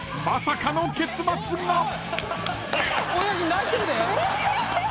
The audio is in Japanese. ［まさかの結末が］